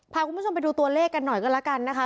พาคุณผู้ชมไปดูตัวเลขกันหน่อยกันแล้วกันนะคะ